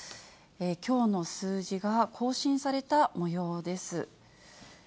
きょうの数字が更新されたもようです。